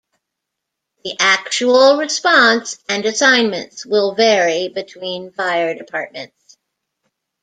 The actual response and assignments will vary between fire departments.